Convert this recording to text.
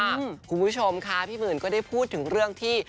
คุณผู้ชมค่ะพี่หมื่นก็ได้พูดถึงเรื่องที่